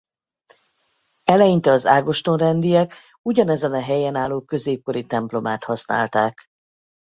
Eleinte az Ágoston-rendiek ugyanezen a helyen álló középkori templomát használták.